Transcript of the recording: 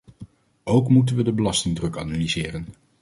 Ook moeten we de belastingdruk analyseren.